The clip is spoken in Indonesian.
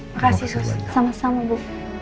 makasih sama sama bu